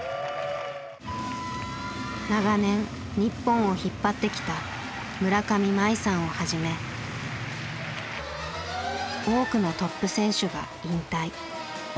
長年日本を引っ張ってきた村上茉愛さんをはじめ多くのトップ選手が引退。